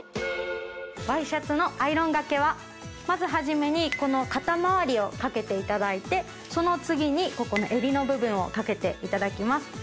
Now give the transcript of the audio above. ワイシャツのアイロンがけはまず初めにこの肩回りをかけていただいてその次に襟の部分をかけていただきます。